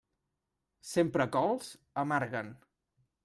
Sempre cols, amarguen.